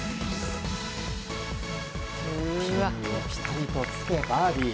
ピンにぴたりとつけバーディー。